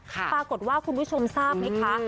ปรากฏว่าคุณผู้ชมทราบไหมคะ